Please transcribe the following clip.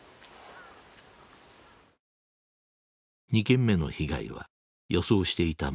２件目の被害は予想していた